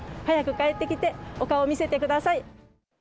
早く帰ってきて、お顔見せてください。